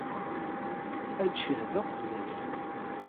Ad d-ccehdeɣ fell-ak.